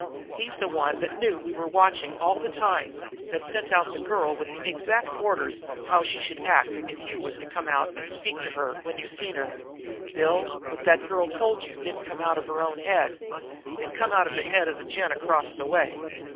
He's the one that knew we were here watching all the time, that sent out the girl with exact orders how she should act if you was to come out and speak to her when you seen her! Bill, what that girl told you didn't come out of her own head. It come out of the head of the gent across the way.